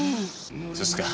そうですか。